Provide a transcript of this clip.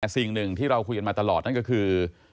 สิ่งหนึ่งที่เราคุยกันมาตลอดนั่นก็คือ